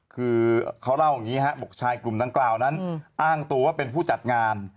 คือเขาเล่าอย่างนี้ฮะบอกชายกลุ่มดังกล่าวนั้นอ้างตัวว่าเป็นผู้จัดงาน